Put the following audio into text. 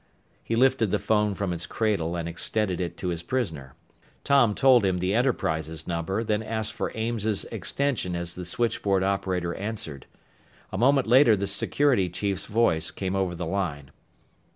He lifted the phone from its cradle and extended it to his prisoner. Tom told him the Enterprises number, then asked for Ames's extension as the switchboard operator answered. A moment later the security chief's voice came over the line.